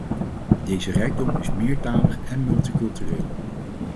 Deze rijkdom is meertalig en multicultureel.